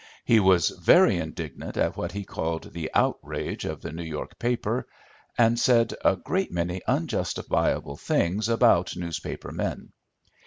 He was very indignant at what he called the outrage of the New York paper, and said a great many unjustifiable things about newspaper men.